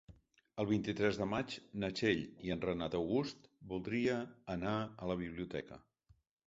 El vint-i-tres de maig na Txell i en Renat August voldria anar a la biblioteca.